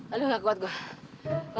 aduh gak kuat gue